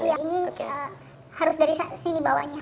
iya ini harus dari sini bawahnya